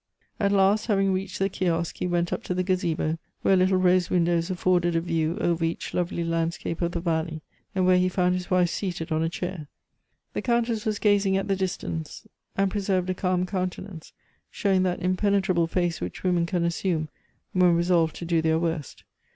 At last, having reached the kiosque, he went up to the gazebo, where little rose windows afforded a view over each lovely landscape of the valley, and where he found his wife seated on a chair. The Countess was gazing at the distance, and preserved a calm countenance, showing that impenetrable face which women can assume when resolved to do their worst.